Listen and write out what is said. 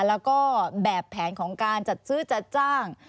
แล้วก็แบบแผนของการจัดซื้อจัดจ้าง